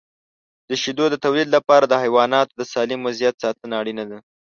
د شیدو د تولید لپاره د حیواناتو د سالم وضعیت ساتنه اړینه ده.